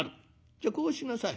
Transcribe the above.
じゃあこうしなさい。